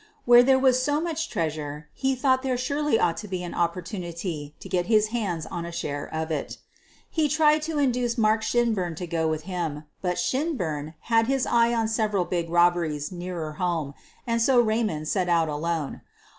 Where there was so much treasure he thought there surely ought to be an opportunity to get his hands on a share of it. He tried to induce Mark Shinburn to go with him, but Shinburn had his eye on several big robberies nearer home, and so Raymond set out alone.